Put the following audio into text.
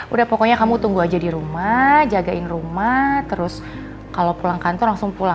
udah pokoknya kamu tunggu aja di rumah jagain rumah terus kalau pulang kantor langsung pulang